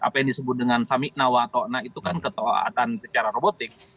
apa yang disebut dengan samikna wa ta'na itu kan ketuaatan secara robotik